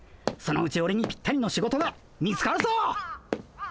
そのうちオレにぴったりの仕事が見つかるぞ！